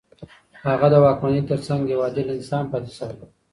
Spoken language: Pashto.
هغه د واکمنۍ تر څنګ يو عادل انسان پاتې شو.